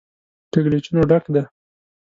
کږلېچونو ډک دی.